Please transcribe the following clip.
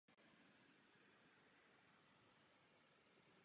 Mladé větvičky bývají kolcovitě zakončené.